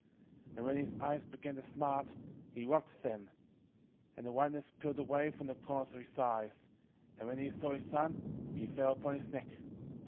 11:12 And when his eyes began to smart, he rubbed them; 11:13 And the whiteness pilled away from the corners of his eyes: and when he saw his son, he fell upon his neck.